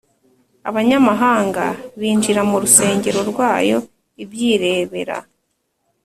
abanyamahanga binjira mu rusengero rwayo, ibyirebera,